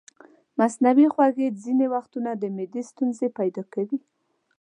مصنوعي خوږې ځینې وختونه د معدې ستونزې پیدا کوي.